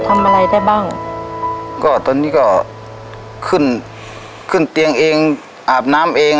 ทำอะไรได้บ้างก็ตอนนี้ก็ขึ้นขึ้นเตียงเองอาบน้ำเอง